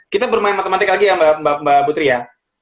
kita bermain matematik lagi ya mbak putri ya